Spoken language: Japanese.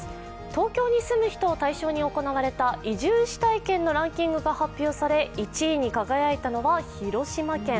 東京に住む人を対象に行われた移住したい県のランキングが発表され、１位に輝いたのは広島県。